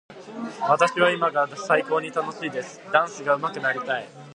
私は今が最高に楽しいです。ダンスがうまくなりたい。